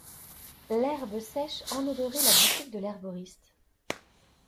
L'herbe sèche enodorait la boutique de l'herboriste.